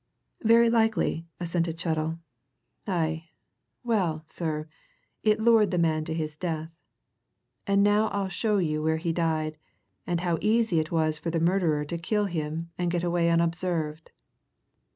"Very likely," assented Chettle. "Aye, well, sir, it lured the man to his death. And now I'll show you where he died, and how easy it was for the murderer to kill him and get away unobserved."